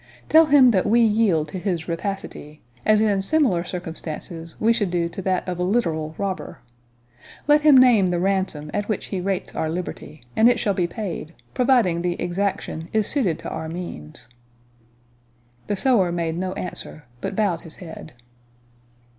Tell him that we yield to his rapacity, as in similar circumstances we should do to that of a literal robber. Let him name the ransom at which he rates our liberty, and it shall be paid, providing the exaction is suited to our means." The sewer made no answer, but bowed his head.